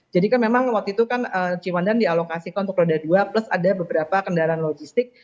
jadi kan memang waktu itu kan ciwandan dialokasikan untuk roda dua plus ada beberapa kendaraan logistik